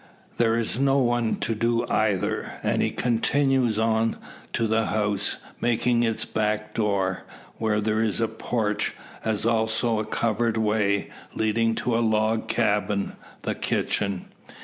There is no one to do either; and he continues on to the house, making for its back door, where there is a porch, as also a covered way, leading to a log cabin the kitchen.